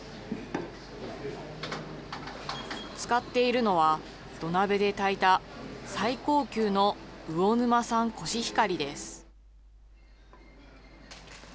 使っているのは、土鍋で炊いた最高級の魚沼産コシヒカリです。